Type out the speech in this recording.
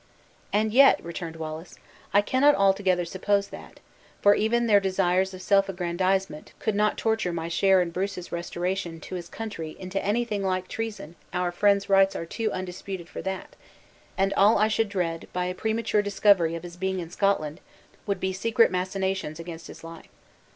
"And yet," returned Wallace, "I cannot altogether suppose that; for even their desires of self aggrandizement could not torture my share in Bruce's restoration to his country into anything like treason our friend's rights are too undisputed for that; and all I should dread, by a premature discovery of his being in Scotland, would be secret machinations against his life.